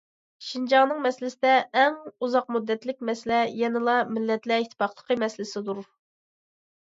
شىنجاڭنىڭ مەسىلىسىدە ئەڭ ئۇزاق مۇددەتلىك مەسىلە يەنىلا مىللەتلەر ئىتتىپاقلىقى مەسىلىسىدۇر.